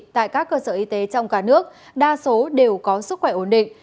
tại các cơ sở y tế trong cả nước đa số đều có sức khỏe ổn định